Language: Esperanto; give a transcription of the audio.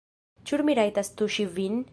Ĉu mi rajtas tuŝi vin?